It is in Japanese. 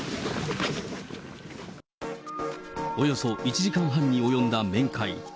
およそ１時間半に及んだ面会。